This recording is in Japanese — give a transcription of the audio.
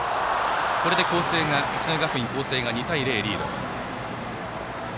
これで八戸学院光星が２対０とリード。